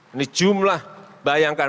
ini jumlah bayangkan